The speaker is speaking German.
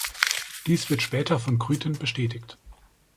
Dies wird später von Kryten bestätigt.